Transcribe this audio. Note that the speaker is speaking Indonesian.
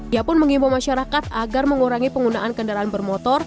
dia pun mengimpa masyarakat agar mengurangi penggunaan kendaraan bermotor